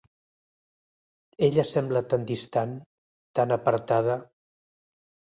Ella sembla tan distant, tan apartada.